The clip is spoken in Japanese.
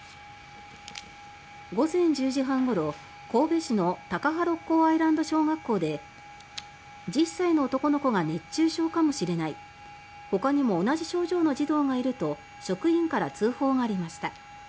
午前１０時半ごろ神戸市の高羽六甲アイランド小学校で１０歳の男の子が熱中症かもしれないほかにも同じ症状の児童がいると職員から通報がありました。